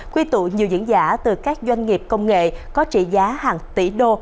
quy tụ nhiều diễn giả từ các doanh nghiệp công nghệ có trị giá hàng tỷ đô